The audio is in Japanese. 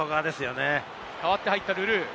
代わって入ったルルー。